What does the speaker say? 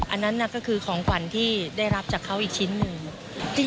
อันนั้นก็คือของขวัญที่ได้รับจากเขาอีกชิ้นหนึ่ง